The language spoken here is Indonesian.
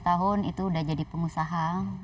enam belas tahun itu sudah jadi pengusaha